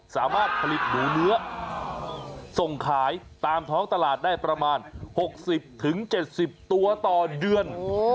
สามารถผลิตหมูเนื้อส่งขายตามท้องตลาดได้ประมาณ๖๐๗๐ตัวต่อเดือน